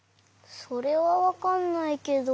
それはわかんないけど。